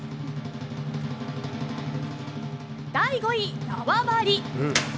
第５位、縄張り。